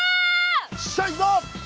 よっしゃ行くぞ！